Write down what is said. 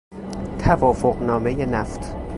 توافقنامهی نفت